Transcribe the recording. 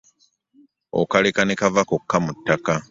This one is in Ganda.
Okaleka ne kava kokka mu ttaka .